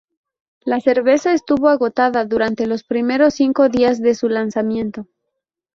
La cerveza estuvo agotada durante los primeros cinco días de su lanzamiento.